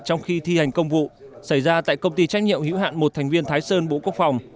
trong khi thi hành công vụ xảy ra tại công ty trách nhiệm hữu hạn một thành viên thái sơn bộ quốc phòng